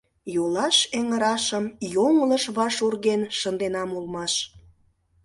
Йолаш эҥырашым йоҥылыш ваш урген шынденам улмаш.